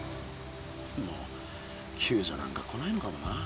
もうきゅうじょなんか来ないのかもな。